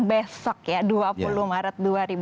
besok ya dua puluh maret dua ribu dua puluh